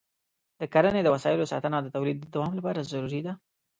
د کرني د وسایلو ساتنه د تولید دوام لپاره ضروري ده.